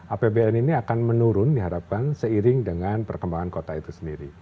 apbn ini akan menurun diharapkan seiring dengan perkembangan kota itu sendiri